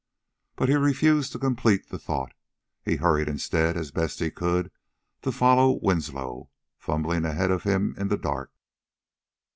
But...." He refused to complete the thought. He hurried instead, as best he could, to follow Winslow, fumbling ahead of him in the dark.